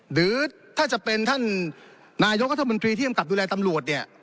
หรือถ้าจะเป็นท่านนายกรัฐมนตรีที่กำกับดูแลตำรวจเนี่ย